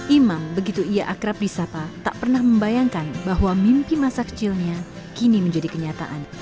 imam begitu ia akrab di sapa tak pernah membayangkan bahwa mimpi masa kecilnya kini menjadi kenyataan